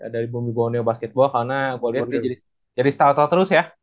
dari bumigwaneo basketball karena gua lihat dia jadi setau tau terus ya